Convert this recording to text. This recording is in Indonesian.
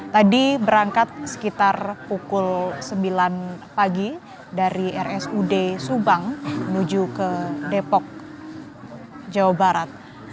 tadi berangkat sekitar pukul sembilan pagi dari rsud subang menuju ke depok jawa barat